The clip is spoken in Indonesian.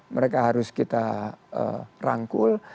mereka harus kita rangkul